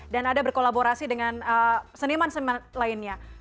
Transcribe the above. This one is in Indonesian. dan ada berkolaborasi dengan seniman lainnya